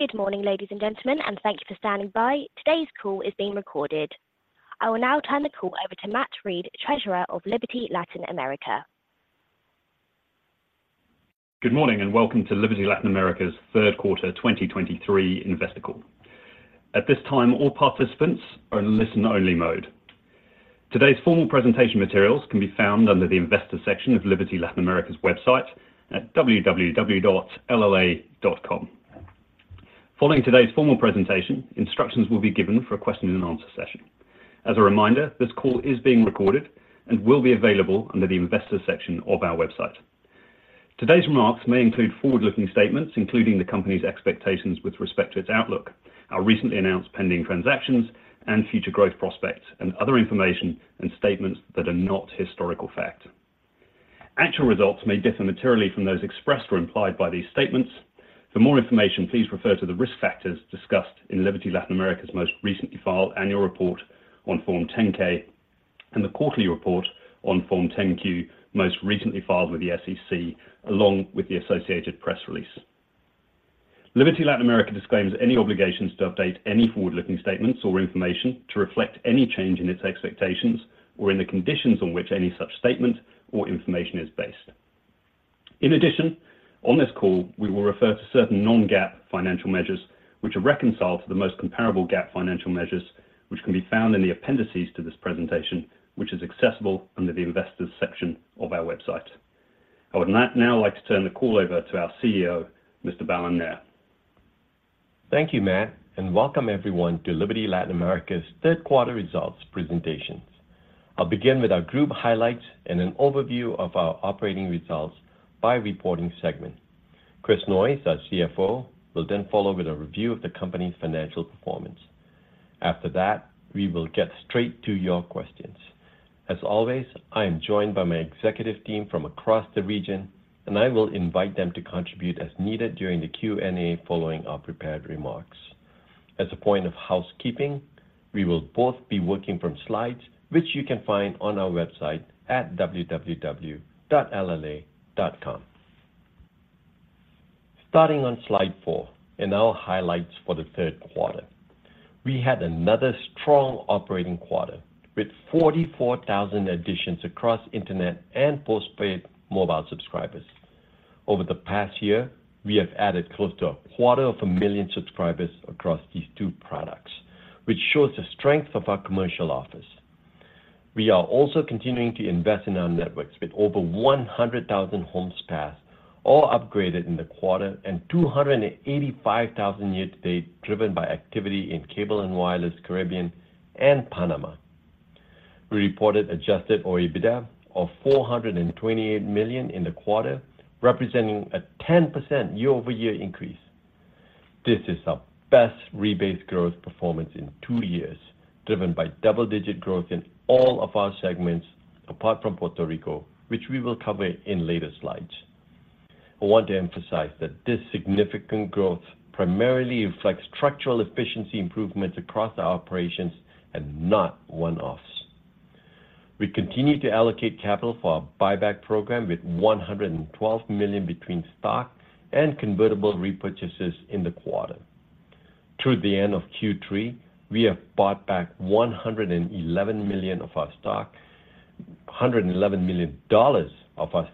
Good morning, ladies and gentlemen, and thank you for standing by. Today's call is being recorded. I will now turn the call over to Matt Read, Treasurer of Liberty Latin America. Good morning, and welcome to Liberty Latin America's third quarter 2023 investor call. At this time, all participants are in listen-only mode. Today's formal presentation materials can be found under the Investor section of Liberty Latin America's website at www.lla.com. Following today's formal presentation, instructions will be given for a question-and-answer session. As a reminder, this call is being recorded and will be available under the Investor section of our website. Today's remarks may include forward-looking statements, including the company's expectations with respect to its outlook, our recently announced pending transactions and future growth prospects, and other information and statements that are not historical fact. Actual results may differ materially from those expressed or implied by these statements. For more information, please refer to the risk factors discussed in Liberty Latin America's most recently filed annual report on Form 10-K and the quarterly report on Form 10-Q, most recently filed with the SEC, along with the associated press release. Liberty Latin America disclaims any obligations to update any forward-looking statements or information to reflect any change in its expectations or in the conditions on which any such statement or information is based. In addition, on this call, we will refer to certain non-GAAP financial measures, which are reconciled to the most comparable GAAP financial measures, which can be found in the appendices to this presentation, which is accessible under the Investors section of our website. I would now like to turn the call over to our CEO, Mr. Balan Nair. Thank you, Matt, and welcome everyone to Liberty Latin America's third quarter results presentation. I'll begin with our group highlights and an overview of our operating results by reporting segment. Chris Noyes, our CFO, will then follow with a review of the company's financial performance. After that, we will get straight to your questions. As always, I am joined by my executive team from across the region, and I will invite them to contribute as needed during the Q&A following our prepared remarks. As a point of housekeeping, we will both be working from slides, which you can find on our website at www.lla.com. Starting on slide four, in our highlights for the third quarter. We had another strong operating quarter with 44,000 additions across internet and postpaid mobile subscribers. Over the past year, we have added close to 250,000 subscribers across these two products, which shows the strength of our commercial offers. We are also continuing to invest in our networks, with over 100,000 homes passed or upgraded in the quarter, and 285,000 year-to-date, driven by activity in Cable & Wireless, Caribbean, and Panama. We reported adjusted OIBDA of $428 million in the quarter, representing a 10% year-over-year increase. This is our best rebased growth performance in two years, driven by double-digit growth in all of our segments, apart from Puerto Rico, which we will cover in later slides. I want to emphasize that this significant growth primarily reflects structural efficiency improvements across our operations and not one-offs. We continue to allocate capital for our buyback program with $112 million between stock and convertible repurchases in the quarter. Through the end of Q3, we have bought back $111 million of our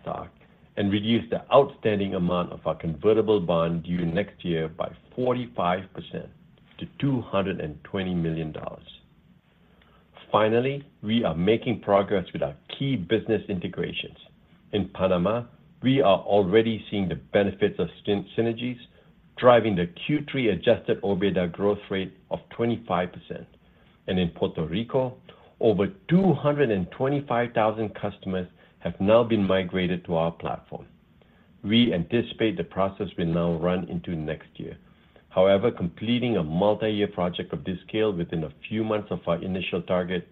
stock, and reduced the outstanding amount of our convertible bond due next year by 45% to $220 million. Finally, we are making progress with our key business integrations. In Panama, we are already seeing the benefits of C&W synergies, driving the Q3 Adjusted OIBDA growth rate of 25%. In Puerto Rico, over 225,000 customers have now been migrated to our platform. We anticipate the process will now run into next year. However, completing a multi-year project of this scale within a few months of our initial target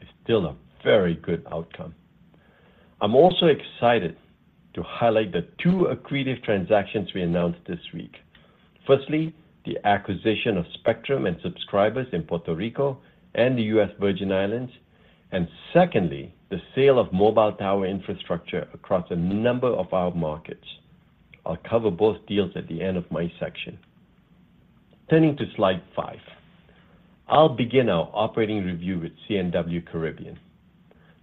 is still a very good outcome. I'm also excited to highlight the two accretive transactions we announced this week. Firstly, the acquisition of spectrum and subscribers in Puerto Rico and the U.S. Virgin Islands, and secondly, the sale of mobile tower infrastructure across a number of our markets. I'll cover both deals at the end of my section. Turning to Slide five. I'll begin our operating review with C&W Caribbean.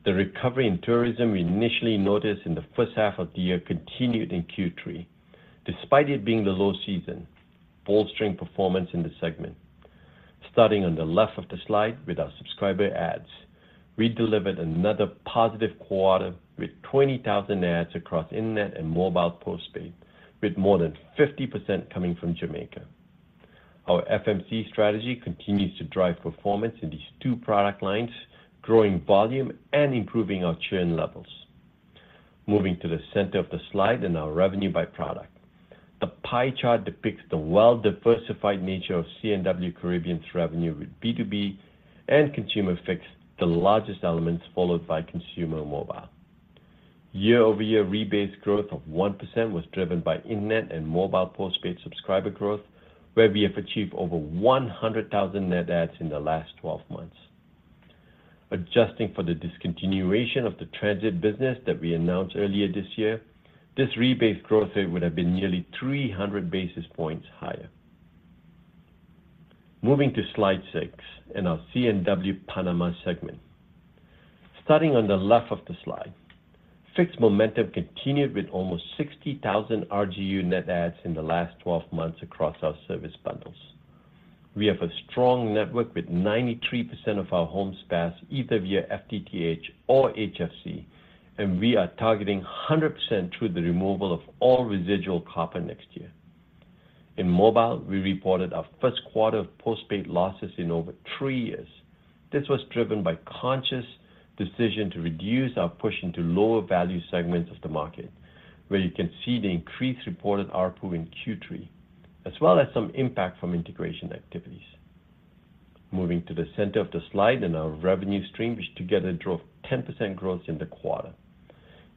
The recovery in tourism we initially noticed in the first half of the year continued in Q3, despite it being the low season, bolstering performance in the segment. Starting on the left of the slide with our subscriber adds. We delivered another positive quarter with 20,000 adds across internet and mobile postpaid, with more than 50% coming from Jamaica. Our FMC strategy continues to drive performance in these two product lines, growing volume and improving our churn levels. Moving to the center of the slide and our revenue by product. The pie chart depicts the well-diversified nature of C&W Caribbean's revenue, with B2B and consumer fixed, the largest elements, followed by consumer mobile. Year-over-year rebased growth of 1% was driven by internet and mobile postpaid subscriber growth, where we have achieved over 100,000 net adds in the last 12 months.... Adjusting for the discontinuation of the transit business that we announced earlier this year, this rebased growth rate would have been nearly 300 basis points higher. Moving to Slide six, in our C&W Panama segment. Starting on the left of the slide, fixed momentum continued with almost 60,000 RGU net adds in the last 12 months across our service bundles. We have a strong network with 93% of our homes passed either via FTTH or HFC, and we are targeting 100% through the removal of all residual copper next year. In mobile, we reported our first quarter of postpaid losses in over three years. This was driven by conscious decision to reduce our push into lower value segments of the market, where you can see the increased reported ARPU in Q3, as well as some impact from integration activities. Moving to the center of the slide and our revenue stream, which together drove 10% growth in the quarter.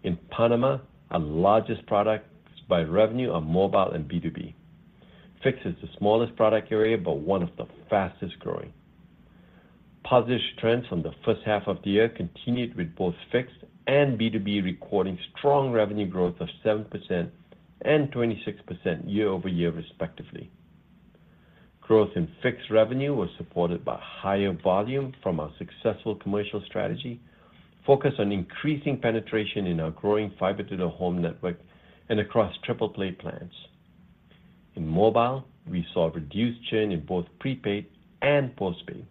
In Panama, our largest products by revenue are mobile and B2B. Fixed is the smallest product area, but one of the fastest-growing. Positive trends from the first half of the year continued with both Fixed and B2B recording strong revenue growth of 7% and 26% year-over-year, respectively. Growth in fixed revenue was supported by higher volume from our successful commercial strategy, focused on increasing penetration in our growing fiber to the home network and across triple play plans. In mobile, we saw a reduced churn in both prepaid and postpaid.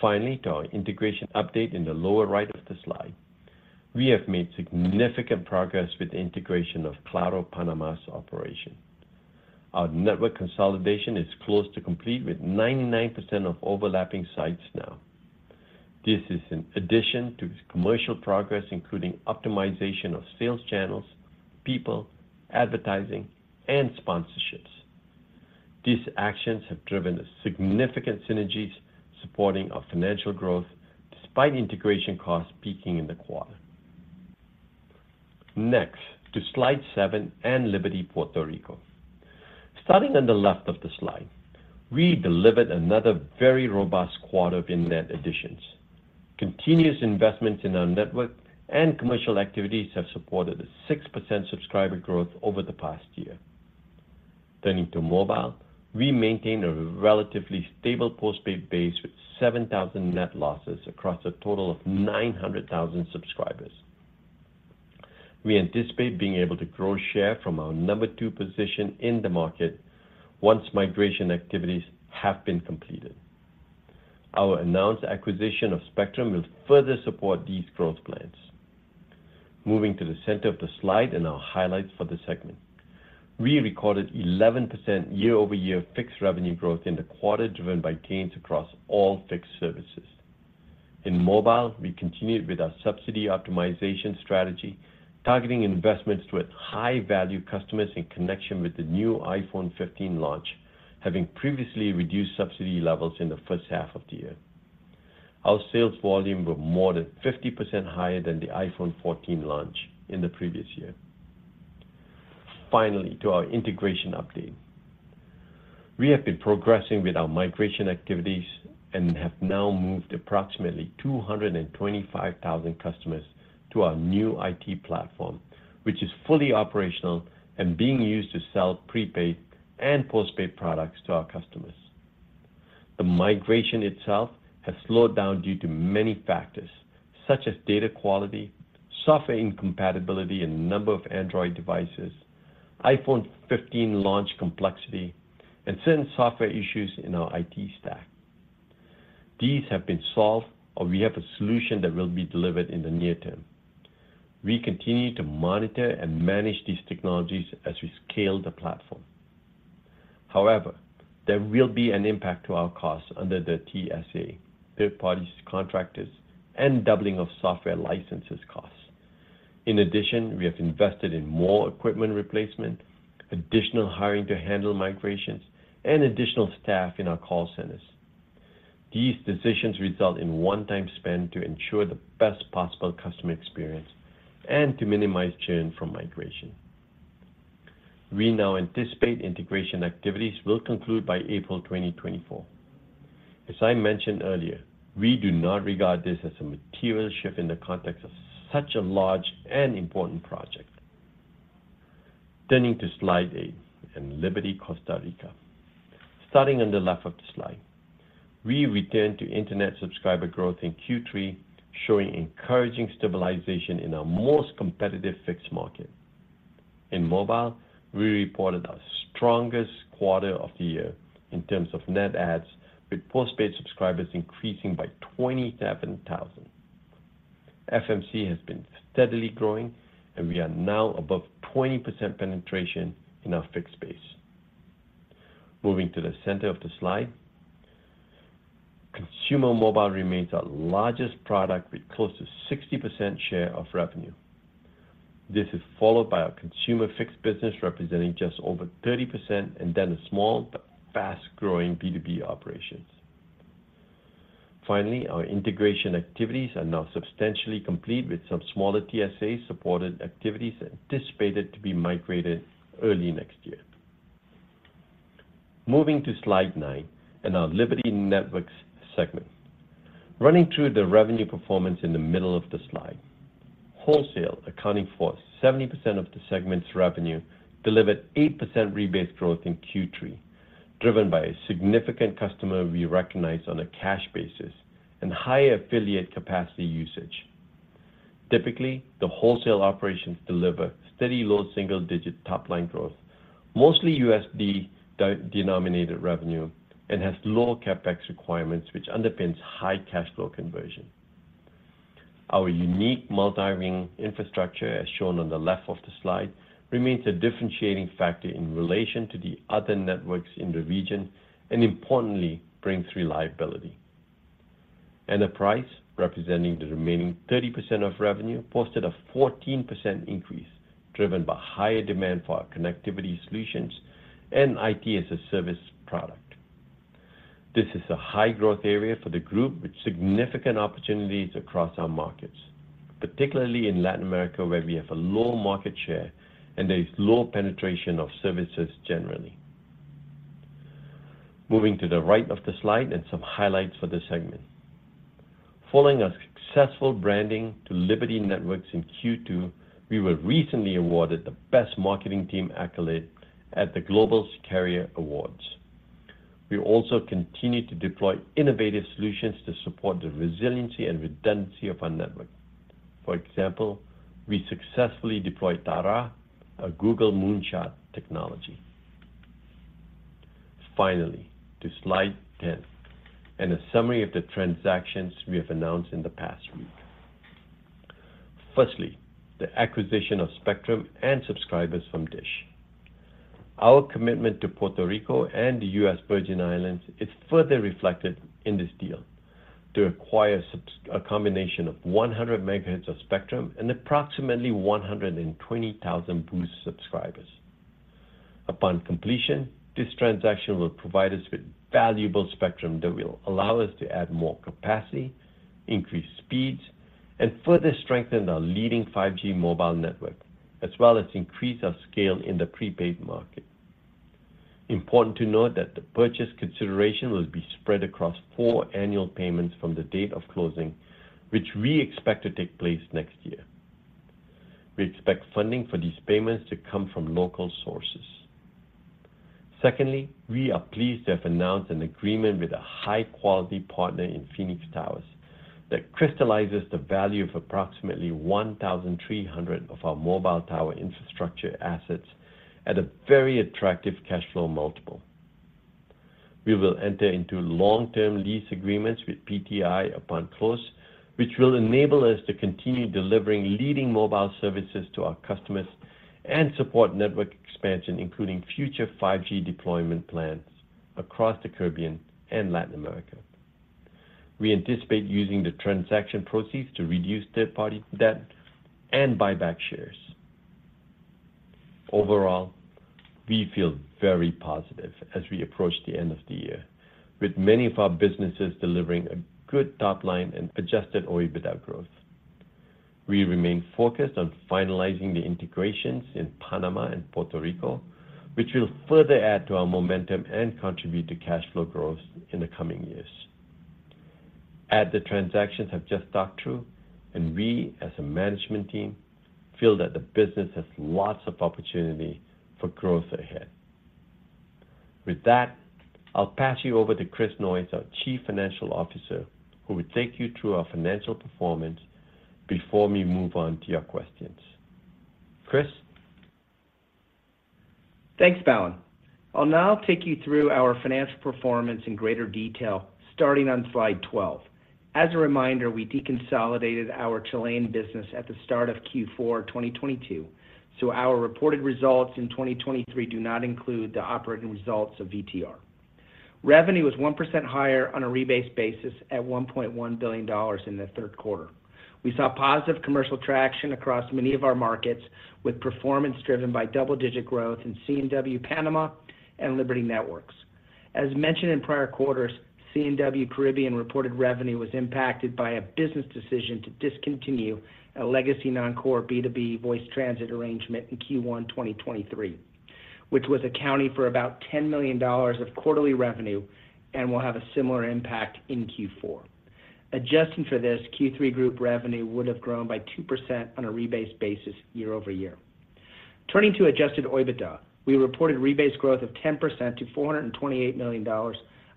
Finally, to our integration update in the lower right of the slide. We have made significant progress with the integration of Claro Panama's operation. Our network consolidation is close to complete, with 99% of overlapping sites now. This is in addition to commercial progress, including optimization of sales channels, people, advertising, and sponsorships. These actions have driven significant synergies supporting our financial growth, despite integration costs peaking in the quarter. Next, to slide seven and Liberty Puerto Rico. Starting on the left of the slide, we delivered another very robust quarter of internet additions. Continuous investments in our network and commercial activities have supported a 6% subscriber growth over the past year. Turning to mobile, we maintained a relatively stable postpaid base with 7,000 net losses across a total of 900,000 subscribers. We anticipate being able to grow share from our number two position in the market once migration activities have been completed. Our announced acquisition of spectrum will further support these growth plans. Moving to the center of the slide and our highlights for the segment. We recorded 11% year-over-year fixed revenue growth in the quarter, driven by gains across all fixed services. In mobile, we continued with our subsidy optimization strategy, targeting investments with high-value customers in connection with the new iPhone 15 launch, having previously reduced subsidy levels in the first half of the year. Our sales volume were more than 50% higher than the iPhone 14 launch in the previous year. Finally, to our integration update. We have been progressing with our migration activities and have now moved approximately 225,000 customers to our new IT platform, which is fully operational and being used to sell prepaid and postpaid products to our customers. The migration itself has slowed down due to many factors such as data quality, software incompatibility in a number of Android devices, iPhone 15 launch complexity, and certain software issues in our IT stack. These have been solved, or we have a solution that will be delivered in the near term. We continue to monitor and manage these technologies as we scale the platform. However, there will be an impact to our costs under the TSA, third-party contractors, and doubling of software licenses costs. In addition, we have invested in more equipment replacement, additional hiring to handle migrations, and additional staff in our call centers. These decisions result in one-time spend to ensure the best possible customer experience and to minimize churn from migration. We now anticipate integration activities will conclude by April 2024. As I mentioned earlier, we do not regard this as a material shift in the context of such a large and important project. Turning to slide eight and Liberty Costa Rica. Starting on the left of the slide, we returned to internet subscriber growth in Q3, showing encouraging stabilization in our most competitive fixed market. In mobile, we reported our strongest quarter of the year in terms of net adds, with postpaid subscribers increasing by 27,000. FMC has been steadily growing, and we are now above 20% penetration in our fixed base. Moving to the center of the slide, consumer mobile remains our largest product, with close to 60% share of revenue. This is followed by our consumer fixed business, representing just over 30%, and then a small but fast-growing B2B operations. Finally, our integration activities are now substantially complete, with some smaller TSA-supported activities anticipated to be migrated early next year.... Moving to slide nine and our Liberty Networks segment. Running through the revenue performance in the middle of the slide. Wholesale, accounting for 70% of the segment's revenue, delivered 8% rebased growth in Q3, driven by a significant customer we recognize on a cash basis and high affiliate capacity usage. Typically, the wholesale operations deliver steady low single-digit top-line growth, mostly USD-denominated revenue, and has low CapEx requirements, which underpins high cash flow conversion. Our unique multi-ring infrastructure, as shown on the left of the slide, remains a differentiating factor in relation to the other networks in the region, and importantly, brings reliability. The enterprise, representing the remaining 30% of revenue, posted a 14% increase, driven by higher demand for our connectivity solutions and IT as a service product. This is a high growth area for the group, with significant opportunities across our markets, particularly in Latin America, where we have a low market share and there is low penetration of services generally. Moving to the right of the slide and some highlights for the segment. Following a successful branding to Liberty Networks in Q2, we were recently awarded the Best Marketing Team accolade at the Global Carrier Awards. We also continued to deploy innovative solutions to support the resiliency and redundancy of our network. For example, we successfully deployed Taara, a Google Moonshot technology. Finally, to Slide 10, and a summary of the transactions we have announced in the past week. Firstly, the acquisition of spectrum and subscribers from DISH. Our commitment to Puerto Rico and the U.S. Virgin Islands is further reflected in this deal to acquire a combination of 100 MHz of spectrum and approximately 120,000 Boost subscribers. Upon completion, this transaction will provide us with valuable spectrum that will allow us to add more capacity, increase speeds, and further strengthen our leading 5G mobile network, as well as increase our scale in the prepaid market. Important to note that the purchase consideration will be spread across four annual payments from the date of closing, which we expect to take place next year. We expect funding for these payments to come from local sources. Secondly, we are pleased to have announced an agreement with a high-quality partner in Phoenix Towers, that crystallizes the value of approximately 1,300 of our mobile tower infrastructure assets at a very attractive cash flow multiple. We will enter into long-term lease agreements with PTI upon close, which will enable us to continue delivering leading mobile services to our customers and support network expansion, including future 5G deployment plans across the Caribbean and Latin America. We anticipate using the transaction proceeds to reduce third-party debt and buy back shares. Overall, we feel very positive as we approach the end of the year, with many of our businesses delivering a good top line and Adjusted OIBDA growth. We remain focused on finalizing the integrations in Panama and Puerto Rico, which will further add to our momentum and contribute to cash flow growth in the coming years. Add the transactions I've just talked through, and we, as a management team, feel that the business has lots of opportunity for growth ahead. With that, I'll pass you over to Chris Noyes, our Chief Financial Officer, who will take you through our financial performance before we move on to your questions. Chris? Thanks, Balan. I'll now take you through our financial performance in greater detail, starting on slide 12. As a reminder, we deconsolidated our Chilean business at the start of Q4 2022, so our reported results in 2023 do not include the operating results of VTR. Revenue was 1% higher on a rebased basis at $1.1 billion in the third quarter. We saw positive commercial traction across many of our markets, with performance driven by double-digit growth in C&W Panama and Liberty Networks. As mentioned in prior quarters, C&W Caribbean reported revenue was impacted by a business decision to discontinue a legacy non-core B2B voice transit arrangement in Q1 2023, which was accounting for about $10 million of quarterly revenue and will have a similar impact in Q4. Adjusting for this, Q3 group revenue would have grown by 2% on a rebased basis year-over-year. Turning to Adjusted OIBDA, we reported rebased growth of 10% to $428 million,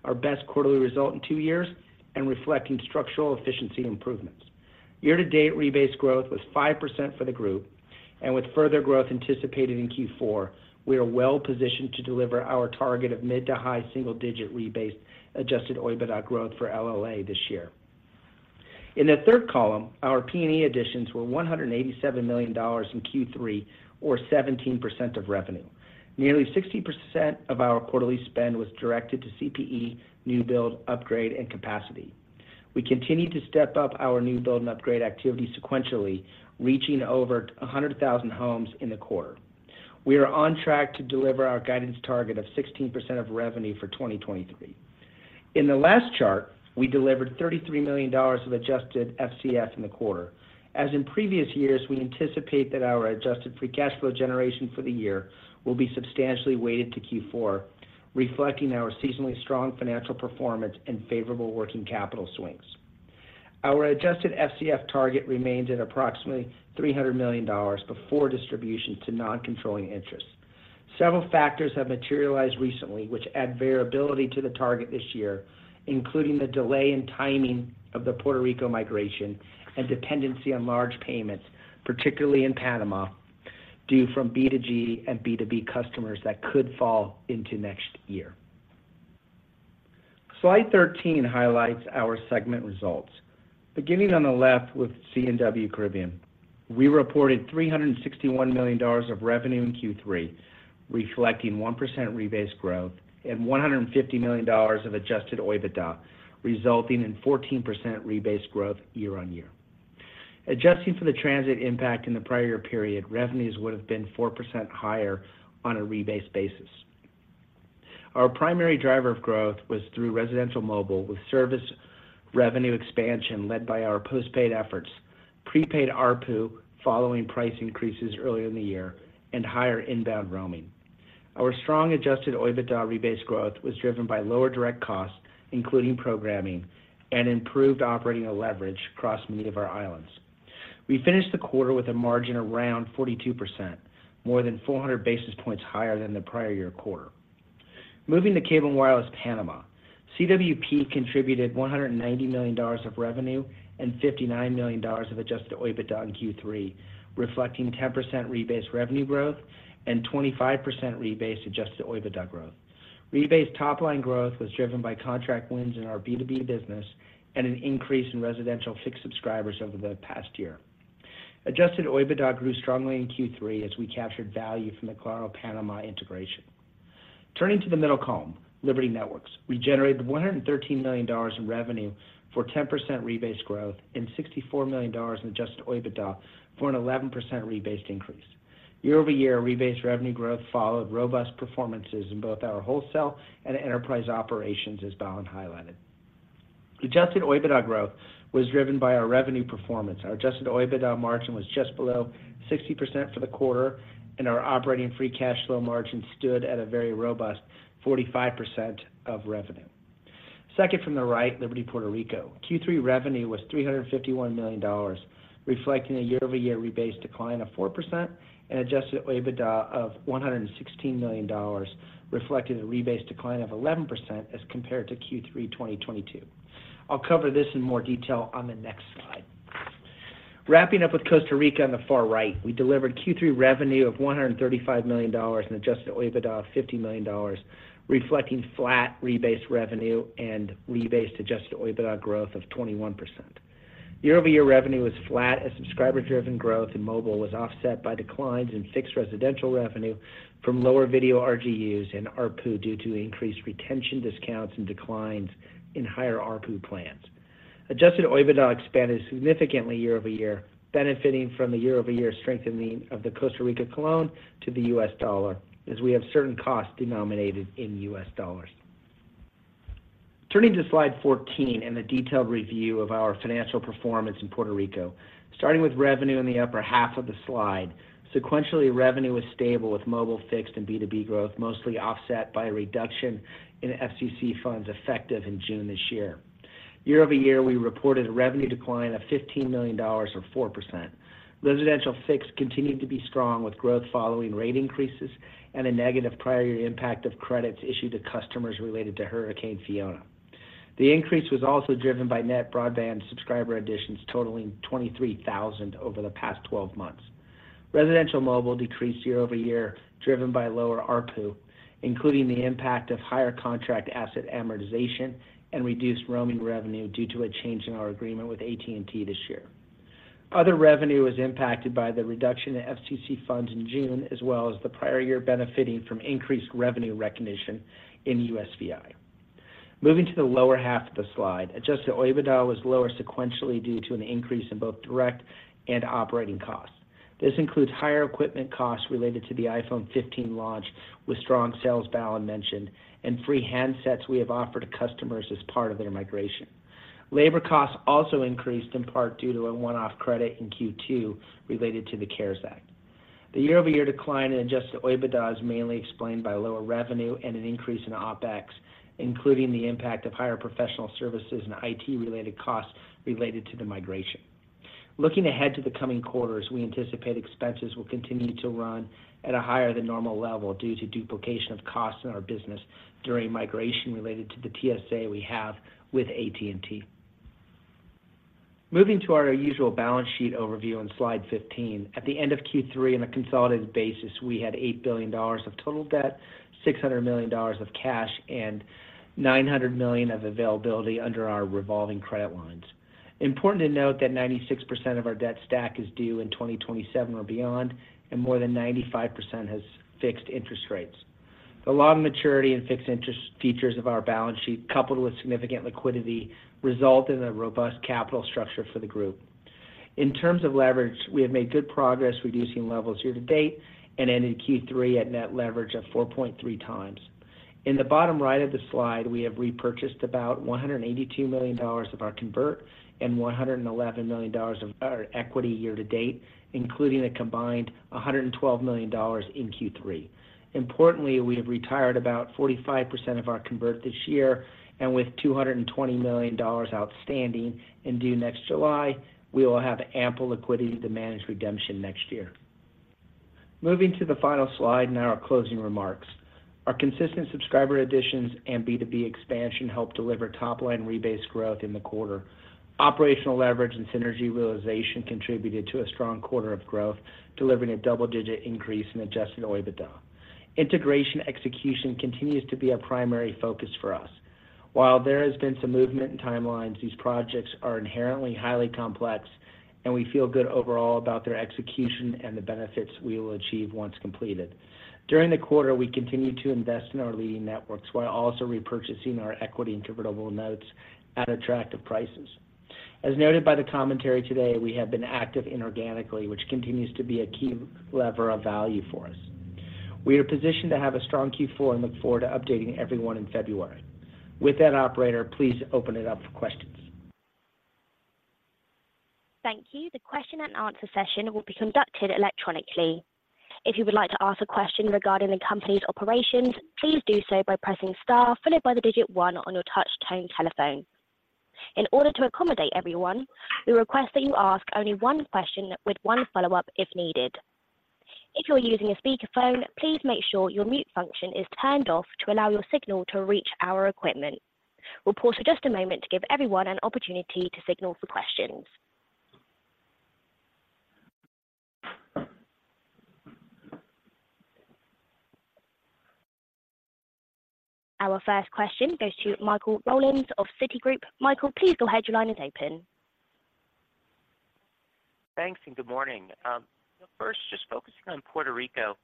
our best quarterly result in two years and reflecting structural efficiency improvements. Year-to-date rebased growth was 5% for the group, and with further growth anticipated in Q4, we are well positioned to deliver our target of mid- to high-single-digit rebased Adjusted OIBDA growth for LLA this year. In the third column, our P&E additions were $187 million in Q3, or 17% of revenue. Nearly 60% of our quarterly spend was directed to CPE, new build, upgrade, and capacity. We continued to step up our new build and upgrade activity sequentially, reaching over 100,000 homes in the quarter. We are on track to deliver our guidance target of 16% of revenue for 2023. In the last chart, we delivered $33 million of adjusted FCF in the quarter. As in previous years, we anticipate that our adjusted free cash flow generation for the year will be substantially weighted to Q4, reflecting our seasonally strong financial performance and favorable working capital swings. Our adjusted FCF target remains at approximately $300 million before distribution to non-controlling interests. Several factors have materialized recently, which add variability to the target this year, including the delay in timing of the Puerto Rico migration and dependency on large payments, particularly in Panama, due from B2G and B2B customers that could fall into next year. Slide 13 highlights our segment results. Beginning on the left with C&W Caribbean, we reported $361 million of revenue in Q3, reflecting 1% rebased growth and $150 million of adjusted OIBDA, resulting in 14% rebased growth year-on-year. Adjusting for the transit impact in the prior year period, revenues would have been 4% higher on a rebased basis. Our primary driver of growth was through residential mobile, with service revenue expansion led by our postpaid efforts, prepaid ARPU, following price increases earlier in the year, and higher inbound roaming. Our strong adjusted OIBDA rebased growth was driven by lower direct costs, including programming and improved operating leverage across many of our islands. We finished the quarter with a margin around 42%, more than 400 basis points higher than the prior year quarter. Moving to Cable and Wireless Panama, CWP contributed $190 million of revenue and $59 million of adjusted OIBDA in Q3, reflecting 10% rebased revenue growth and 25% rebased adjusted OIBDA growth. Rebased top line growth was driven by contract wins in our B2B business and an increase in residential fixed subscribers over the past year. Adjusted OIBDA grew strongly in Q3 as we captured value from the Claro Panama integration. Turning to the middle column, Liberty Networks. We generated $113 million in revenue for 10% rebased growth and $64 million in adjusted OIBDA for an 11% rebased increase. Year-over-year, rebased revenue growth followed robust performances in both our wholesale and enterprise operations, as Balan highlighted. Adjusted OIBDA growth was driven by our revenue performance. Our Adjusted OIBDA margin was just below 60% for the quarter, and our operating free cash flow margin stood at a very robust 45% of revenue. Second from the right, Liberty Puerto Rico. Q3 revenue was $351 million, reflecting a year-over-year rebased decline of 4% and adjusted OIBDA of $116 million, reflecting a rebased decline of 11% as compared to Q3 2022. I'll cover this in more detail on the next slide. Wrapping up with Costa Rica on the far right, we delivered Q3 revenue of $135 million and adjusted OIBDA of $50 million, reflecting flat rebased revenue and rebased adjusted OIBDA growth of 21%. Year-over-year revenue was flat, as subscriber-driven growth in mobile was offset by declines in fixed residential revenue from lower video RGUs and ARPU, due to increased retention discounts and declines in higher ARPU plans. Adjusted OIBDA expanded significantly year-over-year, benefiting from the year-over-year strengthening of the Costa Rican colón to the U.S. dollar, as we have certain costs denominated in U.S. dollars. Turning to Slide 14 and the detailed review of our financial performance in Puerto Rico. Starting with revenue in the upper half of the slide, sequentially, revenue is stable, with mobile, fixed, and B2B growth mostly offset by a reduction in FCC funds effective in June this year. Year-over-year, we reported a revenue decline of $15 million, or 4%. Residential fixed continued to be strong, with growth following rate increases and a negative prior year impact of credits issued to customers related to Hurricane Fiona. The increase was also driven by net broadband subscriber additions totaling 23,000 over the past 12 months. Residential mobile decreased year-over-year, driven by lower ARPU, including the impact of higher contract asset amortization and reduced roaming revenue due to a change in our agreement with AT&T this year. Other revenue was impacted by the reduction in FCC funds in June, as well as the prior year benefiting from increased revenue recognition in USVI. Moving to the lower half of the slide, Adjusted OIBDA was lower sequentially due to an increase in both direct and operating costs. This includes higher equipment costs related to the iPhone 15 launch with strong sales Balan mentioned, and free handsets we have offered to customers as part of their migration. Labor costs also increased, in part due to a one-off credit in Q2 related to the CARES Act. The year-over-year decline in Adjusted OIBDA is mainly explained by lower revenue and an increase in OpEx, including the impact of higher professional services and IT-related costs related to the migration. Looking ahead to the coming quarters, we anticipate expenses will continue to run at a higher than normal level due to duplication of costs in our business during migration related to the TSA we have with AT&T. Moving to our usual balance sheet overview on slide 15. At the end of Q3, on a consolidated basis, we had $8 billion of total debt, $600 million of cash, and $900 million of availability under our revolving credit lines. Important to note that 96% of our debt stack is due in 2027 or beyond, and more than 95% has fixed interest rates. The long maturity and fixed interest features of our balance sheet, coupled with significant liquidity, result in a robust capital structure for the group. In terms of leverage, we have made good progress reducing levels year-to-date and ended Q3 at net leverage of 4.3x. In the bottom right of the slide, we have repurchased about $182 million of our convert and $111 million of our equity year-to-date, including a combined $112 million in Q3. Importantly, we have retired about 45% of our convert this year, and with $220 million outstanding and due next July, we will have ample liquidity to manage redemption next year. Moving to the final slide, now our closing remarks. Our consistent subscriber additions and B2B expansion helped deliver top line rebased growth in the quarter. Operational leverage and synergy realization contributed to a strong quarter of growth, delivering a double-digit increase in adjusted EBITDA. Integration execution continues to be a primary focus for us. While there has been some movement in timelines, these projects are inherently highly complex, and we feel good overall about their execution and the benefits we will achieve once completed. During the quarter, we continued to invest in our leading networks, while also repurchasing our equity and convertible notes at attractive prices. As noted by the commentary today, we have been active inorganically, which continues to be a key lever of value for us. We are positioned to have a strong Q4 and look forward to updating everyone in February. With that, operator, please open it up for questions. Thank you. The question and answer session will be conducted electronically. If you would like to ask a question regarding the company's operations, please do so by pressing star followed by the digit one on your touch tone telephone. In order to accommodate everyone, we request that you ask only one question with one follow-up, if needed. If you are using a speakerphone, please make sure your mute function is turned off to allow your signal to reach our equipment. We'll pause for just a moment to give everyone an opportunity to signal for questions. Our first question goes to Michael Rollins of Citigroup. Michael, please go ahead. Your line is open. Thanks, and good morning. First, just focusing on Puerto Rico,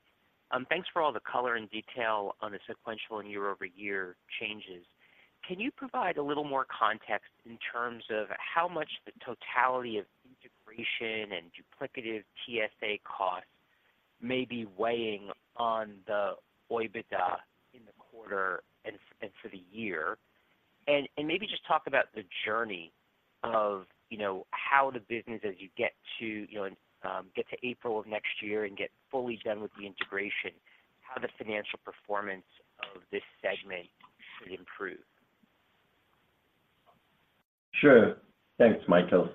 thanks for all the color and detail on the sequential and year-over-year changes. Can you provide a little more context in terms of how much the totality of integration and duplicative TSA costs may be weighing on the EBITDA in the quarter and, and for the year? And, and maybe just talk about the journey of, you know, how the business, as you get to, you know, get to April of next year and get fully done with the integration, how the financial performance of this segment should improve? Sure. Thanks, Michael.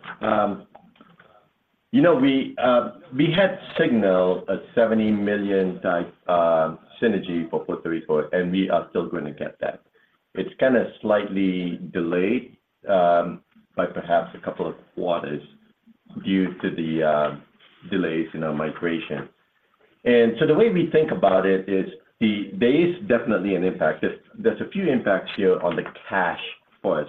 You know, we had signaled a $70 million type synergy for Puerto Rico, and we are still going to get that. It's kind of slightly delayed by perhaps a couple of quarters due to the delays in our migration. So the way we think about it is there is definitely an impact. There's a few impacts here on the cash for us.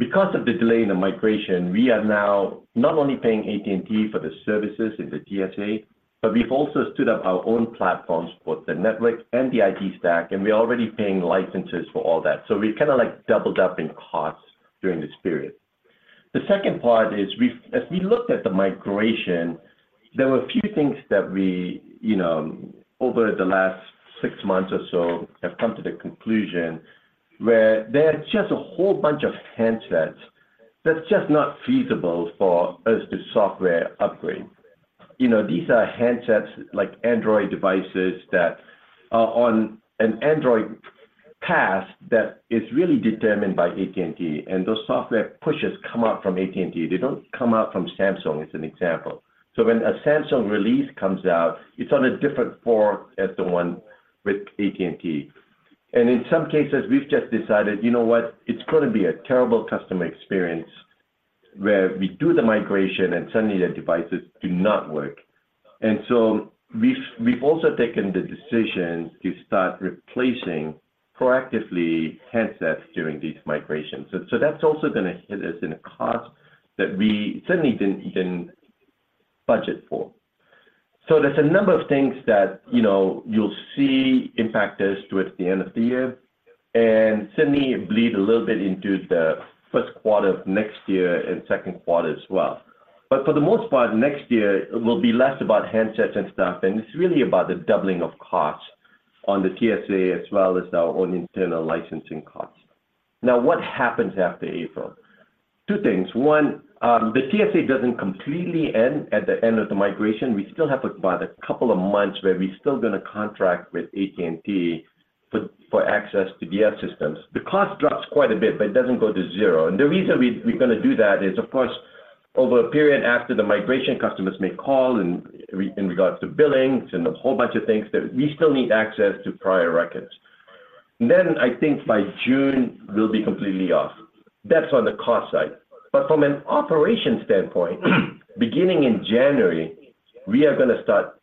One, because of the delay in the migration, we are now not only paying AT&T for the services in the TSA, but we've also stood up our own platforms for the network and the IT stack, and we're already paying licenses for all that. So we've kind of like doubled up in costs during this period. The second part is we've as we looked at the migration, there were a few things that we, you know, over the last six months or so, have come to the conclusion where there are just a whole bunch of handsets that's just not feasible for us to software upgrade. You know, these are handsets like Android devices that are on an Android path that is really determined by AT&T, and those software pushes come out from AT&T. They don't come out from Samsung, as an example. So when a Samsung release comes out, it's on a different form as the one with AT&T. And in some cases, we've just decided, you know what? It's going to be a terrible customer experience where we do the migration and suddenly their devices do not work. And so we've also taken the decision to start replacing proactively handsets during these migrations. So, that's also going to hit us in a cost that we certainly didn't budget for. So there's a number of things that, you know, you'll see impact us towards the end of the year and suddenly bleed a little bit into the first quarter of next year and second quarter as well. But for the most part, next year will be less about handsets and stuff, and it's really about the doubling of costs on the TSA as well as our own internal licensing costs. Now, what happens after April? Two things. One, the TSA doesn't completely end at the end of the migration. We still have about a couple of months where we're still going to contract with AT&T for access PDF systems. The cost drops quite a bit, but it doesn't go to zero. The reason we're, we're going to do that is, of course, over a period after the migration, customers may call in regarding billings and a whole bunch of things that we still need access to prior records. Then I think by June, we'll be completely off. That's on the cost side. But from an operational standpoint, beginning in January, we are going to start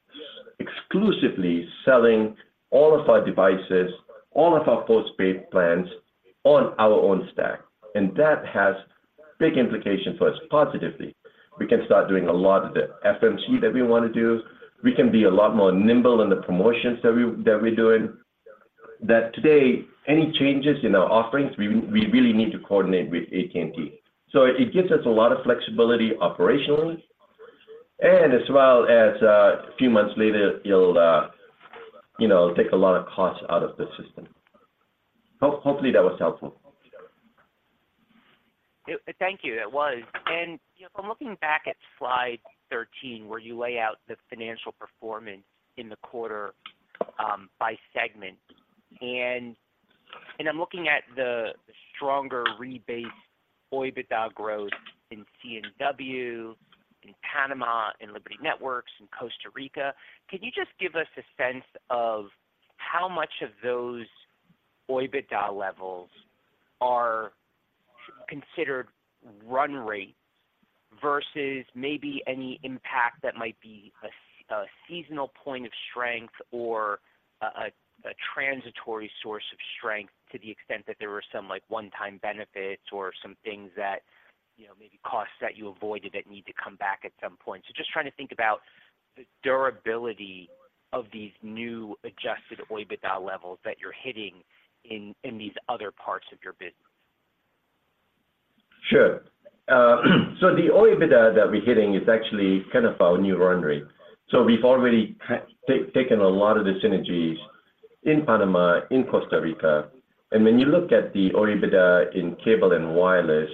exclusively selling all of our devices, all of our postpaid plans on our own stack, and that has big implications for us positively. We can start doing a lot of the FMC that we want to do. We can be a lot more nimble in the promotions that we, that we're doing... that today, any changes in our offerings, we, we really need to coordinate with AT&T. It gives us a lot of flexibility operationally, and as well as a few months later, it'll, you know, take a lot of cost out of the system. Hopefully, that was helpful. Thank you. It was. And, you know, I'm looking back at slide 13, where you lay out the financial performance in the quarter by segment. And I'm looking at the stronger rebased OIBDA growth in C&W, in Panama, in Liberty Networks, in Costa Rica. Can you just give us a sense of how much of those OIBDA levels are considered run rate versus maybe any impact that might be a seasonal point of strength or a transitory source of strength to the extent that there were some, like, one-time benefits or some things that, you know, maybe costs that you avoided that need to come back at some point? So just trying to think about the durability of these new adjusted OIBDA levels that you're hitting in these other parts of your business. Sure. So the OIBDA that we're hitting is actually kind of our new run rate. So we've already taken a lot of the synergies in Panama, in Costa Rica, and when you look at the OIBDA in Cable and Wireless,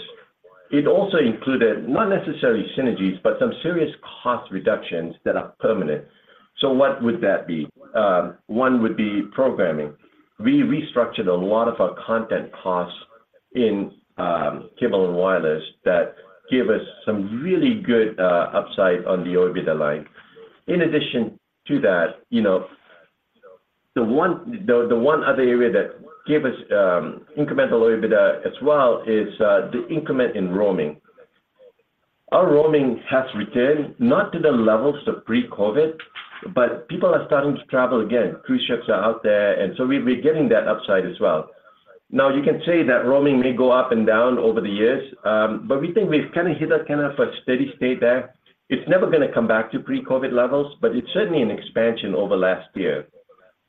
it also included, not necessarily synergies, but some serious cost reductions that are permanent. So what would that be? One would be programming. We restructured a lot of our content costs in Cable and Wireless that gave us some really good upside on the OIBDA line. In addition to that, you know, the one other area that gave us incremental OIBDA as well, is the increment in roaming. Our roaming has returned, not to the levels of pre-COVID, but people are starting to travel again. Cruise ships are out there, and so we're getting that upside as well. Now, you can say that roaming may go up and down over the years, but we think we've kinda hit a kind of a steady state there. It's never gonna come back to pre-COVID levels, but it's certainly an expansion over last year.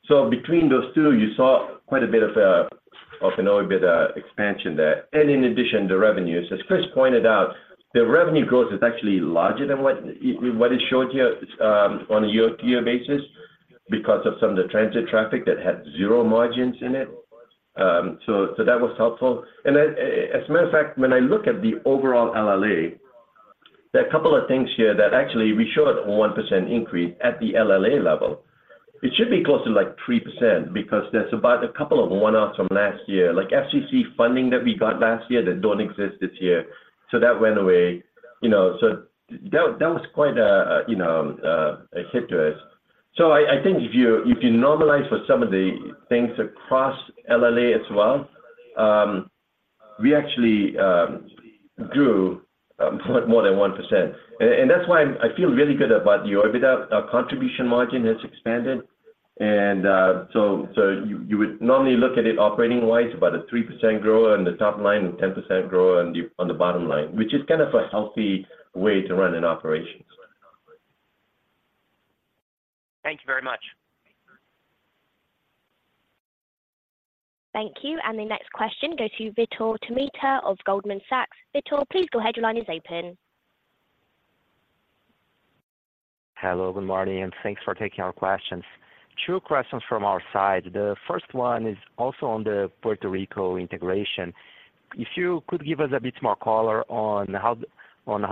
So between those two, you saw quite a bit of, of an OIBDA expansion there. And in addition to revenues, as Chris pointed out, the revenue growth is actually larger than what, what is showed here, on a year-over-year basis because of some of the transit traffic that had zero margins in it. So that was helpful. And then, as a matter of fact, when I look at the overall LLA, there are a couple of things here that actually we showed 1% increase at the LLA level. It should be closer to, like, 3% because there's about a couple of one-offs from last year, like FCC funding that we got last year that don't exist this year, so that went away. You know, so that was quite a hit to us. So I think if you normalize for some of the things across LLA as well, we actually grew more than 1%. And that's why I feel really good about the OIBDA. Our contribution margin has expanded. And so you would normally look at it operating-wise, about a 3% growth on the top line, and 10% growth on the bottom line, which is kind of a healthy way to run an operation. Thank you very much. Thank you, and the next question goes to Vitor Tomita of Goldman Sachs. Vitor, please go ahead. Your line is open. Hello, good morning, and thanks for taking our questions. Two questions from our side. The first one is also on the Puerto Rico integration. If you could give us a bit more color on how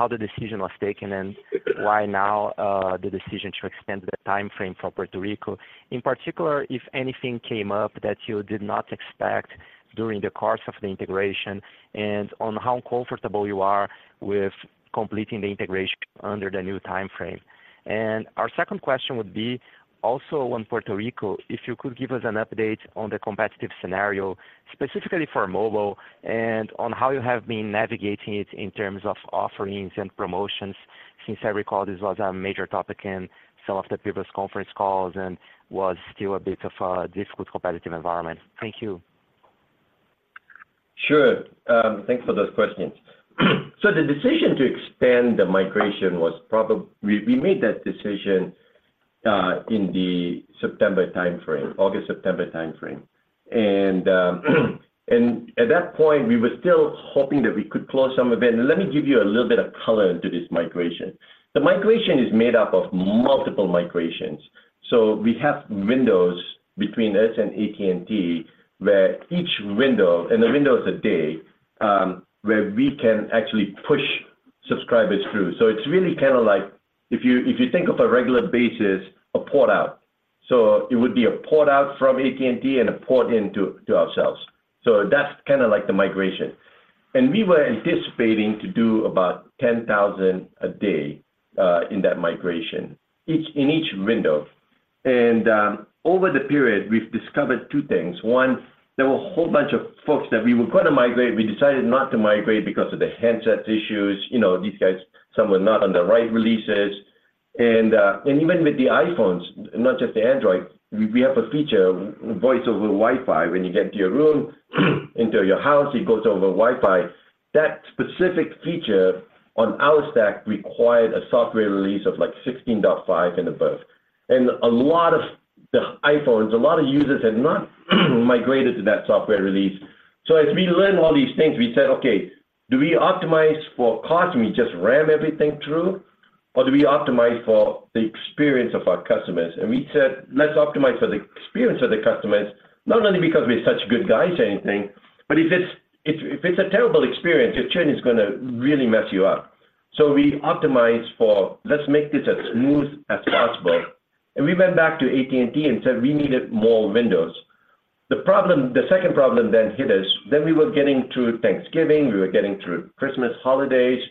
the decision was taken, and why now, the decision to extend the time frame for Puerto Rico? In particular, if anything came up that you did not expect during the course of the integration, and on how comfortable you are with completing the integration under the new time frame. Our second question would be, also on Puerto Rico, if you could give us an update on the competitive scenario, specifically for mobile, and on how you have been navigating it in terms of offerings and promotions, since I recall this was a major topic in some of the previous conference calls and was still a bit of a difficult competitive environment. Thank you. Sure. Thanks for those questions. So the decision to extend the migration was. We made that decision in the September time frame, August, September time frame. And at that point, we were still hoping that we could close some of it. And let me give you a little bit of color into this migration. The migration is made up of multiple migrations, so we have windows between us and AT&T, where each window, and the window is a day, where we can actually push subscribers through. So it's really kinda like if you think of a regular basis, a port out. So it would be a port out from AT&T and a port into ourselves. So that's kinda like the migration. And we were anticipating to do about 10,000 a day in that migration, in each window. And, over the period, we've discovered two things. One, there were a whole bunch of folks that we were gonna migrate. We decided not to migrate because of the handsets issues. You know, these guys, some were not on the right releases. And even with the iPhones, not just the Android, we have a feature, Voice over Wi-Fi. When you get to your room, into your house, it goes over Wi-Fi. That specific feature on our stack required a software release of, like, 16.5 and above... and a lot of the iPhones, a lot of users had not migrated to that software release. So as we learn all these things, we said, "Okay, do we optimize for cost, and we just ram everything through, or do we optimize for the experience of our customers?" And we said, "Let's optimize for the experience of the customers," not only because we're such good guys or anything, but if it's, if, if it's a terrible experience, your churn is gonna really mess you up. So we optimize for, "Let's make this as smooth as possible." And we went back to AT&T and said we needed more windows. The second problem then hit us, then we were getting through Thanksgiving, we were getting through Christmas holidays,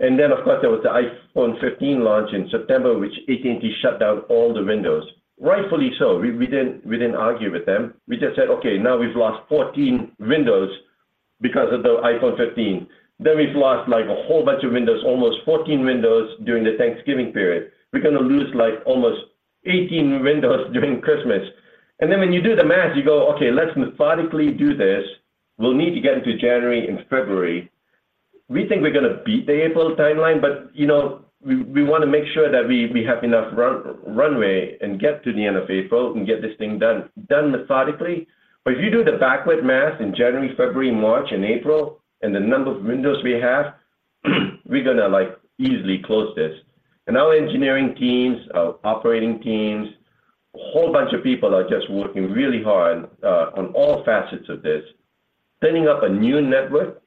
and then, of course, there was the iPhone 15 launch in September, which AT&T shut down all the windows. Rightfully so, we, we didn't, we didn't argue with them. We just said, "Okay, now we've lost 14 windows because of the iPhone 15. Then we've lost, like, a whole bunch of windows, almost 14 windows during the Thanksgiving period. We're gonna lose, like, almost 18 windows during Christmas." And then when you do the math, you go, "Okay, let's methodically do this. We'll need to get into January and February. We think we're gonna beat the April timeline, but, you know, we wanna make sure that we have enough runway, and get to the end of April, and get this thing done, done methodically." But if you do the backward math in January, February, March, and April, and the number of windows we have, we're gonna, like, easily close this. And our engineering teams, our operating teams, a whole bunch of people are just working really hard on all facets of this. Setting up a new network,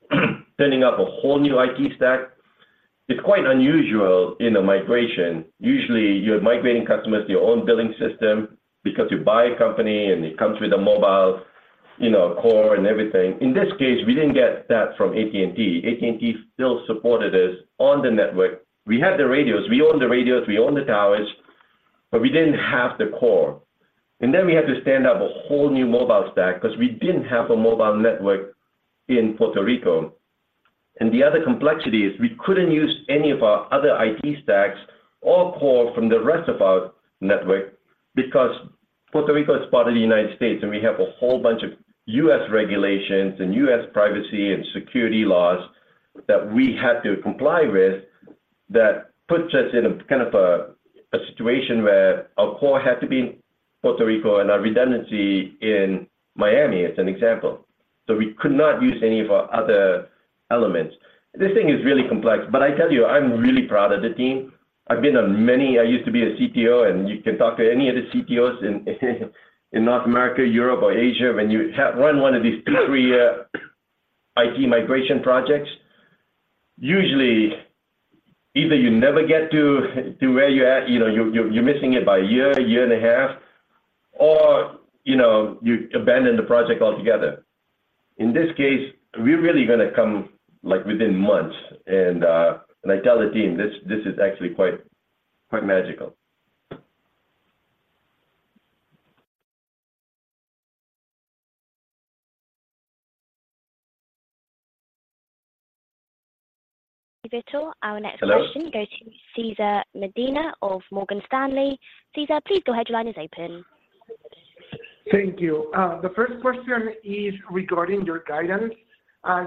setting up a whole new IT stack, it's quite unusual in a migration. Usually, you're migrating customers to your own billing system because you buy a company, and it comes with a mobile, you know, core and everything. In this case, we didn't get that from AT&T. AT&T still supported us on the network. We had the radios. We own the radios, we own the towers, but we didn't have the core. And then we had to stand up a whole new mobile stack 'cause we didn't have a mobile network in Puerto Rico. The other complexity is we couldn't use any of our other IT stacks or core from the rest of our network because Puerto Rico is part of the United States, and we have a whole bunch of U.S. regulations and U.S. privacy and security laws that we had to comply with. That puts us in a kind of situation where our core had to be in Puerto Rico and our redundancy in Miami, as an example, so we could not use any of our other elements. This thing is really complex, but I tell you, I'm really proud of the team. I've been on many. I used to be a CTO, and you can talk to any of the CTOs in North America, Europe, or Asia. When you have run one of these two- or three-year IT migration projects, usually, either you never get to where you're at, you know, you're missing it by one year, one year and half years, or, you know, you abandon the project altogether. In this case, we're really gonna come, like, within months, and I tell the team this, this is actually quite magical. Vitor, our next- Hello. Question goes to Cesar Medina of Morgan Stanley. Cesar, please go ahead, your line is open. Thank you. The first question is regarding your guidance.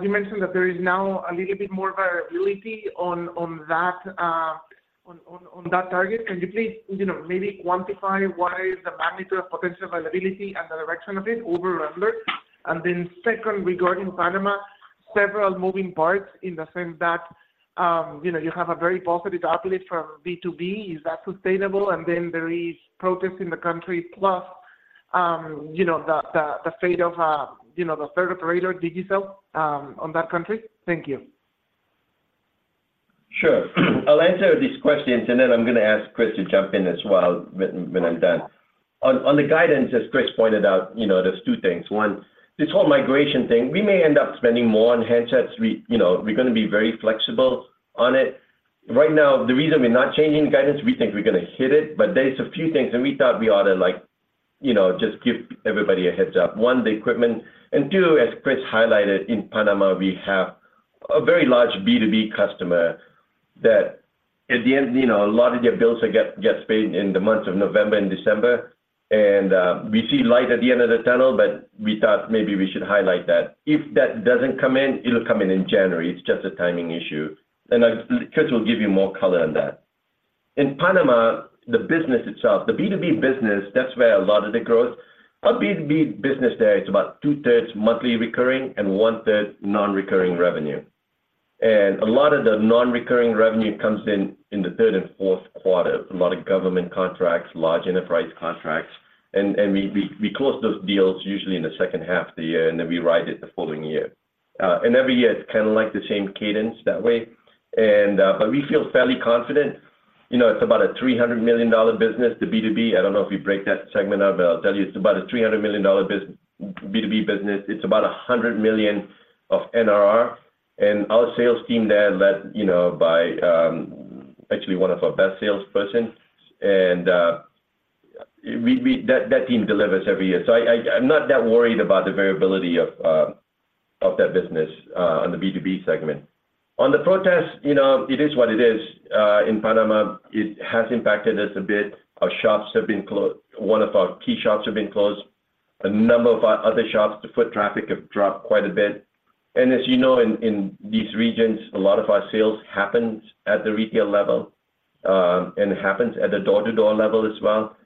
You mentioned that there is now a little bit more variability on that target. Can you please, you know, maybe quantify what is the magnitude of potential variability and the direction of it over under? And then second, regarding Panama, several moving parts in the sense that, you know, you have a very positive outlet for B2B. Is that sustainable? And then there is protests in the country, plus, you know, the fate of the third operator, Digicel, on that country. Thank you. Sure. I'll answer these questions, and then I'm gonna ask Chris to jump in as well when I'm done. On the guidance, as Chris pointed out, you know, there's two things. One, this whole migration thing, we may end up spending more on handsets. We, you know, we're gonna be very flexible on it. Right now, the reason we're not changing the guidance, we think we're gonna hit it, but there's a few things, and we thought we ought to, like, you know, just give everybody a heads-up. One, the equipment, and two, as Chris highlighted, in Panama, we have a very large B2B customer that at the end, you know, a lot of their bills get paid in the months of November and December. And we see light at the end of the tunnel, but we thought maybe we should highlight that. If that doesn't come in, it'll come in in January. It's just a timing issue, and Chris will give you more color on that. In Panama, the business itself, the B2B business, that's where a lot of the growth. Our B2B business there, it's about two-thirds monthly recurring and one-third non-recurring revenue. And a lot of the non-recurring revenue comes in, in the third and fourth quarter. A lot of government contracts, large enterprise contracts, and we close those deals usually in the second half of the year, and then we ride it the following year. And every year, it's kind of like the same cadence that way. But we feel fairly confident. You know, it's about a $300 million business, the B2B. I don't know if we break that segment out, but I'll tell you it's about a $300 million B2B business. It's about $100 million of NRR, and our sales team there is led, you know, by, actually one of our best salesperson. And, we-- That team delivers every year. So I, I'm not that worried about the variability of, of that business, on the B2B segment. On the protests, you know, it is what it is. In Panama, it has impacted us a bit. Our shops have been closed. One of our key shops have been closed. A number of our other shops, the foot traffic have dropped quite a bit... and as you know, in these regions, a lot of our sales happens at the retail level, and happens at the door-to-door level as well.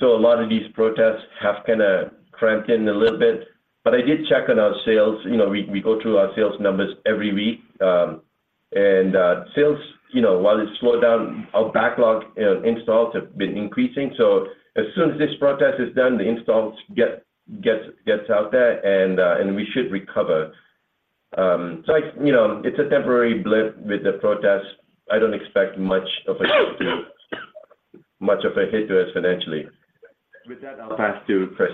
So a lot of these protests have kinda cramped in a little bit, but I did check on our sales. You know, we go through our sales numbers every week, and sales, you know, while it slowed down, our backlog and installs have been increasing. So as soon as this protest is done, the installs gets out there, and we should recover. So I, you know, it's a temporary blip with the protests. I don't expect much of a hit to us financially. With that, I'll pass to Chris.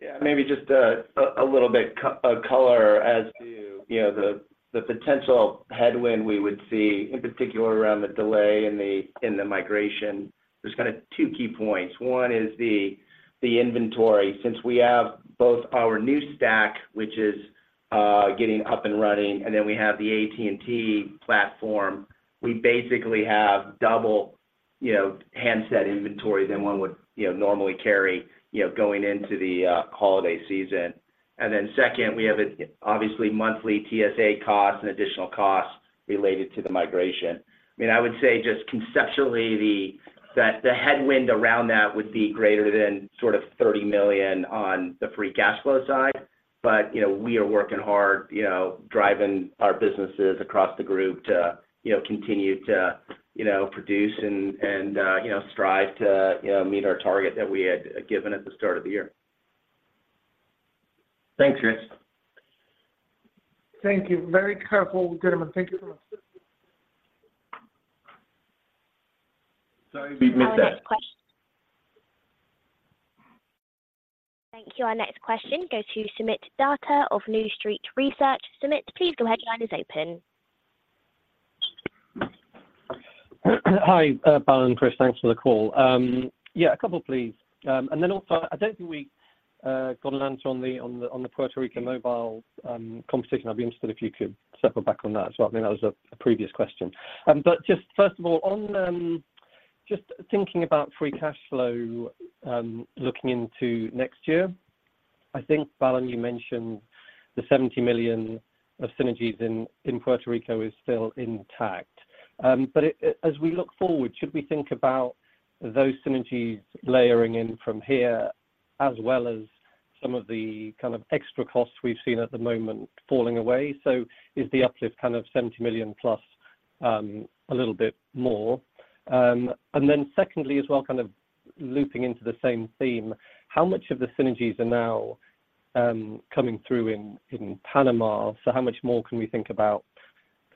Yeah, maybe just a little bit of color as to, you know, the potential headwind we would see, in particular, around the delay in the migration. There's kind of two key points. One is the inventory. Since we have both our new stack, which is getting up and running, and then we have the AT&T platform, we basically have double, you know, handset inventory than one would, you know, normally carry, you know, going into the holiday season. And then second, we have obviously monthly TSA cost and additional costs related to the migration. I mean, I would say just conceptually, that the headwind around that would be greater than sort of $30 million on the free cash flow side, but, you know, we are working hard, you know, driving our businesses across the group to, you know, continue to, you know, produce and, you know, strive to, you know, meet our target that we had, given at the start of the year. Thanks, Chris. Thank you. Very careful, good, and thank you so much. Sorry, we've missed that. Our next question. Thank you. Our next question goes to Soomit Datta of New Street Research. Soomit, please go ahead. Your line is open. Hi, Bal and Chris, thanks for the call. Yeah, a couple, please. And then also, I don't think we got an answer on the Puerto Rican mobile competition. I'd be interested if you could circle back on that as well. I mean, that was a previous question. But just first of all, on just thinking about free cash flow, looking into next year, I think, Bal, you mentioned the $70 million of synergies in Puerto Rico is still intact. But it, as we look forward, should we think about those synergies layering in from here, as well as some of the kind of extra costs we've seen at the moment falling away? So is the uplift kind of $70 million plus a little bit more? And then secondly, as well, kind of looping into the same theme, how much of the synergies are now coming through in Panama? So how much more can we think about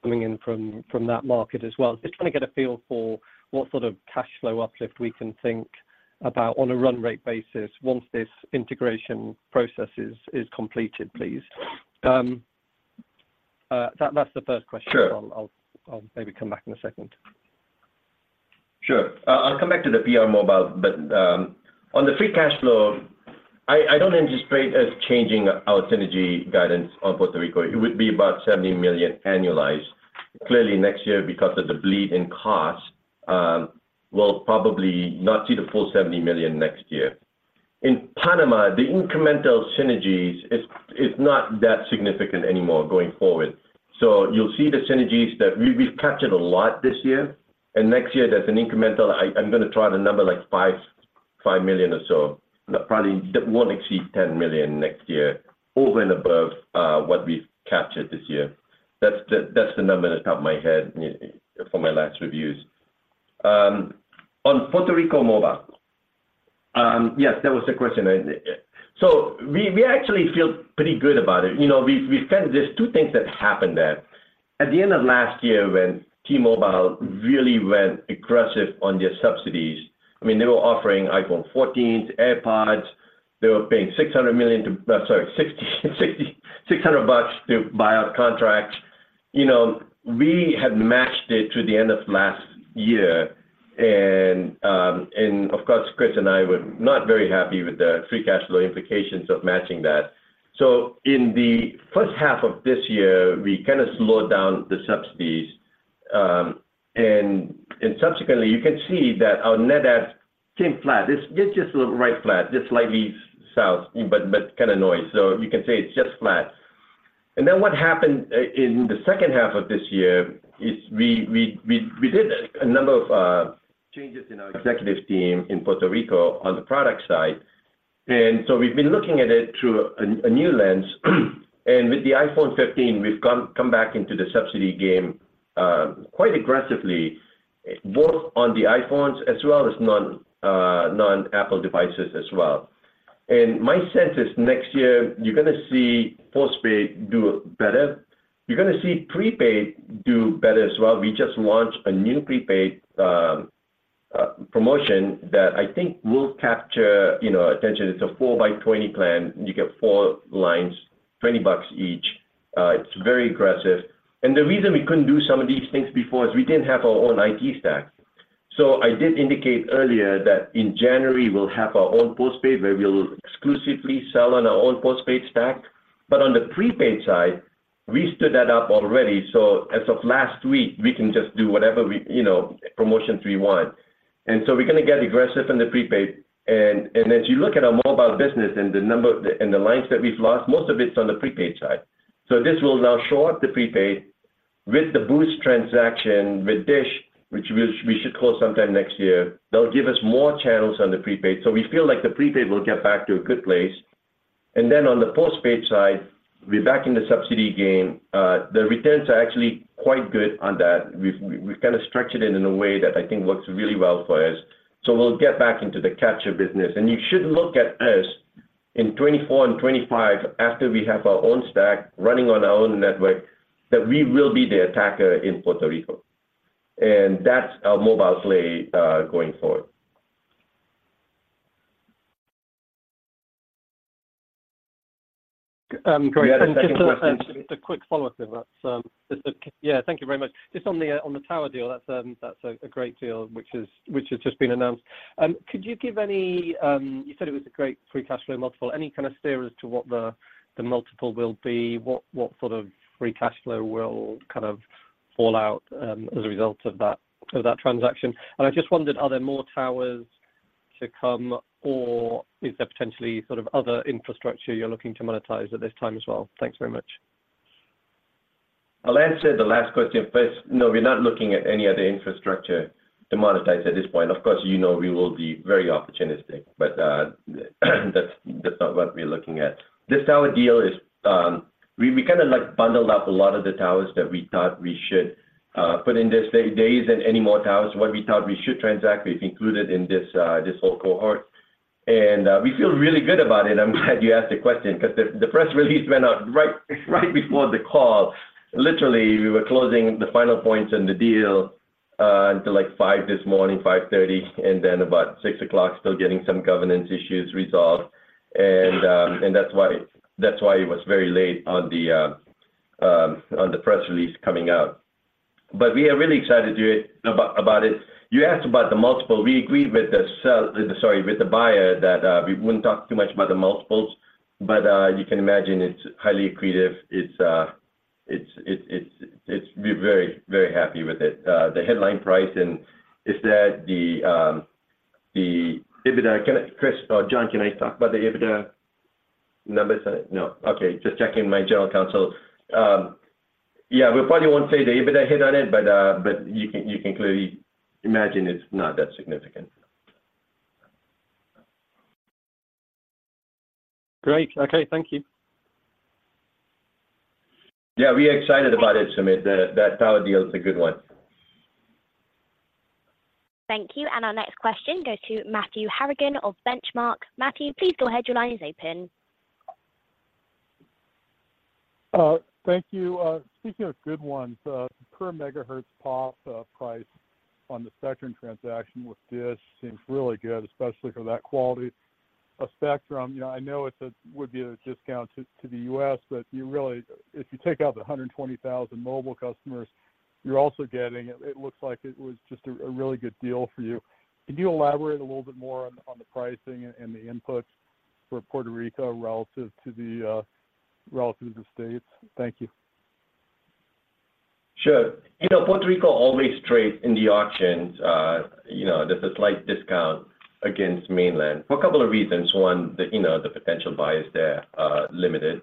coming in from that market as well? Just trying to get a feel for what sort of cash flow uplift we can think about on a run-rate basis once this integration process is completed, please. That's the first question. Sure. I'll maybe come back in a second. Sure. I'll come back to the PR mobile, but on the free cash flow, I don't anticipate us changing our synergy guidance on Puerto Rico. It would be about $70 million annualized. Clearly, next year, because of the bleed in costs, we'll probably not see the full $70 million next year. In Panama, the incremental synergies is not that significant anymore going forward. So you'll see the synergies that we've captured a lot this year, and next year there's an incremental, I'm gonna try the number like 5 million or so, but probably that won't exceed $10 million next year, over and above what we've captured this year. That's the number that's out of my head from my last reviews. On Puerto Rico mobile, yes, that was the question, isn't it? So we actually feel pretty good about it. You know, we kind of... There's two things that happened there. At the end of last year, when T-Mobile really went aggressive on their subsidies, I mean, they were offering iPhone 14, AirPods. They were paying $600 million to, sorry, $600 bucks to buy out contracts. You know, we had matched it to the end of last year, and of course, Chris and I were not very happy with the free cash flow implications of matching that. So in the first half of this year, we kinda slowed down the subsidies, and subsequently, you can see that our net add came flat. It's just right flat, just slightly south, but kind of noise. So you can say it's just flat. Then what happened in the second half of this year is we did a number of changes in our executive team in Puerto Rico on the product side. So we've been looking at it through a new lens. And with the iPhone 15, we've come back into the subsidy game quite aggressively, both on the iPhones as well as non-Apple devices as well. And my sense is next year, you're gonna see postpaid do better. You're gonna see prepaid do better as well. We just launched a new prepaid promotion that I think will capture, you know, attention. It's a four by 20 plan. You get four lines, $20 each. It's very aggressive. And the reason we couldn't do some of these things before is we didn't have our own IT stack. So I did indicate earlier that in January, we'll have our own postpaid, where we'll exclusively sell on our own postpaid stack, but on the prepaid side, we stood that up already, so as of last week, we can just do whatever we, you know, promotions we want. And so we're gonna get aggressive in the prepaid. And as you look at our mobile business and the number of, and the lines that we've lost, most of it's on the prepaid side. So this will now shore up the prepaid with the Boost transaction, with DISH, which we should close sometime next year. That'll give us more channels on the prepaid, so we feel like the prepaid will get back to a good place. And then on the postpaid side, we're back in the subsidy game. The returns are actually quite good on that. We've kinda structured it in a way that I think works really well for us, so we'll get back into the capture business. And you should look at us in 2024 and 2025, after we have our own stack running on our own network, that we will be the attacker in Puerto Rico, and that's our mobile play, going forward. Great. You had a second question. Just a quick follow-up then. That's, yeah, thank you very much. Just on the, on the tower deal, that's a, a great deal, which has, which has just been announced. Could you give any... You said it was a great free cash flow multiple, any kind of steer as to what the, the multiple will be? What, what sort of free cash flow will kind of fall out, as a result of that, of that transaction? And I just wondered, are there more towers to come, or is there potentially sort of other infrastructure you're looking to monetize at this time as well? Thanks very much. I'll answer the last question first. No, we're not looking at any other infrastructure to monetize at this point. Of course, you know, we will be very opportunistic, but, that's, that's not what we're looking at. This tower deal is, we kinda like bundled up a lot of the towers that we thought we should put in this. There isn't any more towers. What we thought we should transact, we've included in this, this whole cohort. And, we feel really good about it. I'm glad you asked the question, 'cause the, the press release went out right, right before the call. Literally, we were closing the final points on the deal, until, like, 5:00 A.M. this morning, 5:30 A.M., and then about 6:00 A.M., still getting some governance issues resolved. and that's why, that's why it was very late on the, on the press release coming out. But we are really excited to do it, about it. You asked about the multiple. We agreed with the sell- sorry, with the buyer, that, we wouldn't talk too much about the multiples, but, you can imagine it's highly accretive. It's... We're very, very happy with it. The headline price. And is that the, the EBITDA? Can I- Chris or John, can I talk about the EBITDA numbers? No. Okay, just checking my general counsel. Yeah, we probably won't say the EBITDA hit on it, but, but you can clearly imagine it's not that significant. Great. Okay, thank you. Yeah, we're excited about it, Soomit. That, that tower deal is a good one. Thank you. Our next question goes to Matthew Harrigan of Benchmark. Matthew, please go ahead. Your line is open. Thank you. Speaking of good ones, per megahertz POP, price on the spectrum transaction with DISH seems really good, especially for that quality of spectrum. You know, I know it's a- would be a discount to, to the U.S., but you really- if you take out the 120,000 mobile customers, you're also getting, it looks like it was just a, a really good deal for you. Can you elaborate a little bit more on, on the pricing and, and the inputs for Puerto Rico relative to the, relative to the States? Thank you. Sure. You know, Puerto Rico always trades in the auctions. You know, there's a slight discount against mainland for a couple of reasons. One, the, you know, the potential buyers there are limited.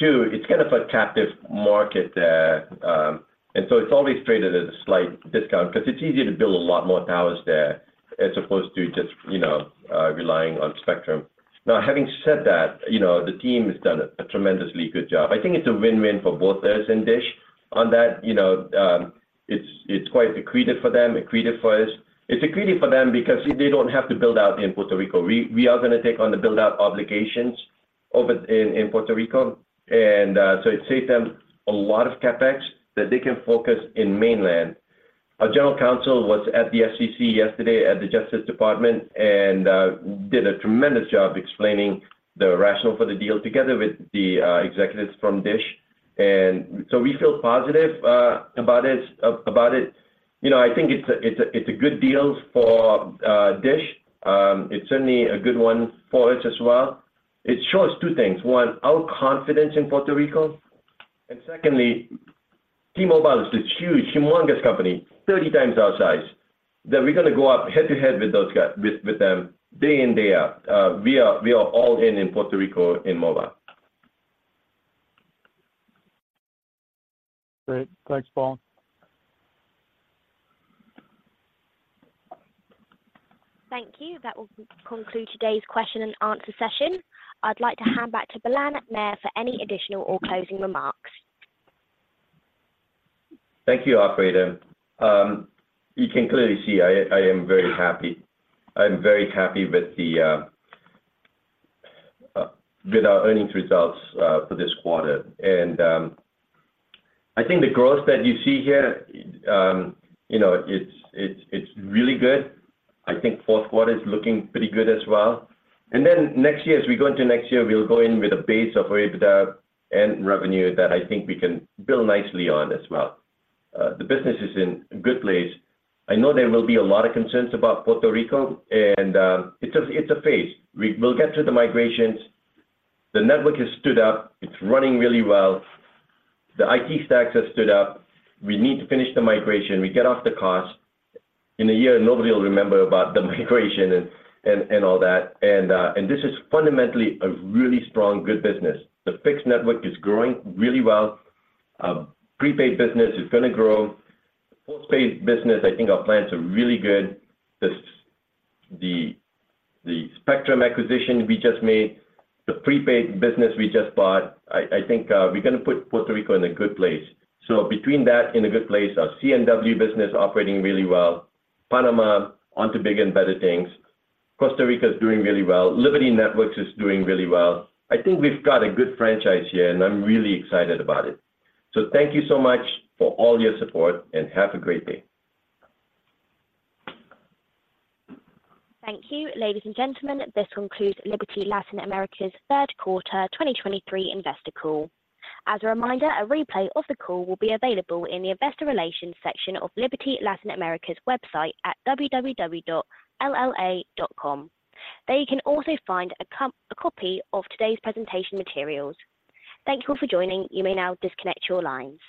Two, it's kind of a captive market there, and so it's always traded at a slight discount because it's easier to build a lot more towers there as opposed to just, you know, relying on spectrum. Now, having said that, you know, the team has done a tremendously good job. I think it's a win-win for both us and DISH on that. You know, it's quite accretive for them, accretive for us. It's accretive for them because they don't have to build out in Puerto Rico. We are gonna take on the build-out obligations over in Puerto Rico, and so it saves them a lot of CapEx that they can focus in mainland. Our general counsel was at the FCC yesterday at the Justice Department and did a tremendous job explaining the rationale for the deal together with the executives from DISH. And so we feel positive about this, about it. You know, I think it's a good deal for DISH. It's certainly a good one for us as well. It shows two things: one, our confidence in Puerto Rico, and secondly, T-Mobile is this huge, humongous company, 30x our size, that we're gonna go up head-to-head with those guys, with them, day in, day out. We are all in Puerto Rico, in mobile. Great. Thanks, Balan. Thank you. That will conclude today's question and answer session. I'd like to hand back to Balan Nair for any additional or closing remarks. Thank you, operator. You can clearly see I am very happy. I'm very happy with our earnings results for this quarter. And I think the growth that you see here, you know, it's really good. I think fourth quarter is looking pretty good as well. And then next year, as we go into next year, we'll go in with a base of EBITDA and revenue that I think we can build nicely on as well. The business is in a good place. I know there will be a lot of concerns about Puerto Rico, and it's a phase. We'll get through the migrations. The network has stood up. It's running really well. The IT stacks have stood up. We need to finish the migration. We get off the cost. In a year, nobody will remember about the migration and all that. And this is fundamentally a really strong, good business. The fixed network is growing really well. Prepaid business is gonna grow. Postpaid business, I think our plans are really good. The spectrum acquisition we just made, the prepaid business we just bought, I think we're gonna put Puerto Rico in a good place. So between that, in a good place, our C&W business operating really well, Panama onto bigger and better things. Costa Rica is doing really well. Liberty Networks is doing really well. I think we've got a good franchise here, and I'm really excited about it. So thank you so much for all your support, and have a great day. Thank you. Ladies and gentlemen, this concludes Liberty Latin America's third quarter 2023 investor call. As a reminder, a replay of the call will be available in the Investor Relations section of Liberty Latin America's website at www.lla.com. There you can also find a copy of today's presentation materials. Thank you all for joining. You may now disconnect your lines.